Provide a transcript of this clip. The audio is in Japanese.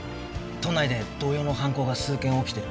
都内で同様の犯行が数件起きてる。